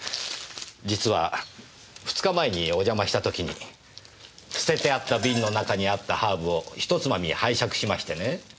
実は２日前にお邪魔した時に捨ててあった瓶の中にあったハーブをひとつまみ拝借しましてね